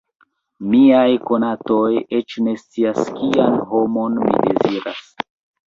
Miaj konatoj eĉ ne scias kian homon mi deziras.